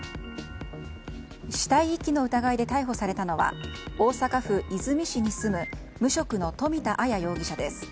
死体遺棄の疑いで逮捕されたのは大阪府和泉市に住む無職の富田あや容疑者です。